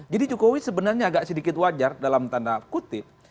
jadi jokowi sebenarnya agak sedikit wajar dalam tanda kutip